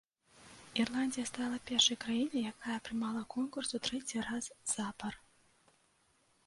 Ірландыя стала першай краінай, якая прымала конкурс у трэці раз запар.